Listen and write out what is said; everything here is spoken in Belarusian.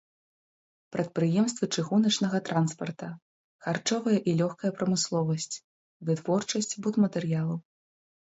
Прадпрыемствы чыгуначнага транспарта, харчовая і лёгкая прамысловасць, вытворчасць будматэрыялаў.